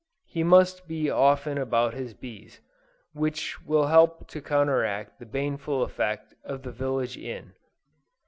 He must be often about his bees, which will help to counteract the baneful effect of the village inn.